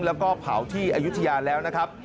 แล้วก็เผาที่อายุทยาแล้วนะครับ